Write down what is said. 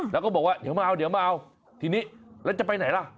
แล้วก็บอกว่าเดี๋ยวมาเอาทีนี้แล้วจะไปไหนล่ะ